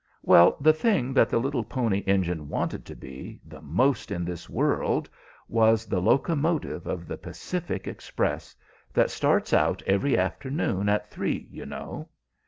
Well, the thing that the little Pony Engine wanted to be, the most in this world, was the locomotive of the Pacific Express, that starts out every afternoon at three, you know.